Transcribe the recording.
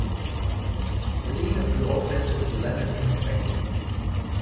The dean of the Law Center is Leonard M. Baynes.